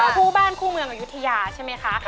คู่บ้านคู่เมืองอายุทยาใช่ไหมคะ